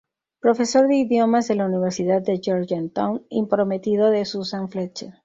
Profesor de Idiomas de la Universidad de Georgetown, y prometido de Susan Fletcher.